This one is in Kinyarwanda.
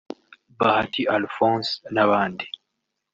Bahati Alphonse n’abandi